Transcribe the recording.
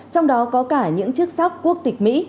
trong đó có cả những chức sắc quốc tịch mỹ